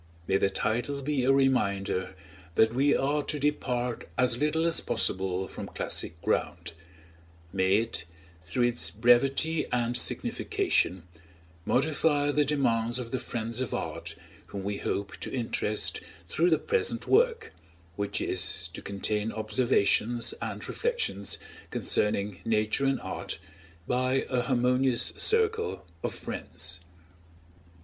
May the title be a reminder that we are to depart as little as possible from classic ground; may it, through its brevity and signification, modify the demands of the friends of art whom we hope to interest through the present work, which is to contain observations and reflections concerning Nature and Art by a harmonious circle of friends.